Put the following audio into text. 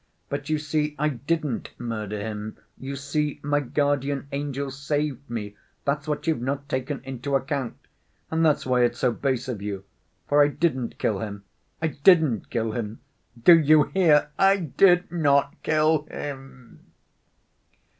But, you see, I didn't murder him; you see, my guardian angel saved me—that's what you've not taken into account. And that's why it's so base of you. For I didn't kill him, I didn't kill him! Do you hear, I did not kill him."